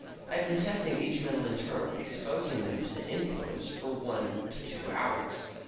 I had been testing each metal in turn, exposing them to the influence for from one to two hours.